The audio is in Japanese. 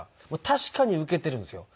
確かにウケているんですよ。